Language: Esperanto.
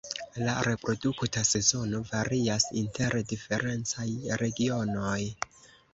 La reprodukta sezono varias inter diferencaj regionoj.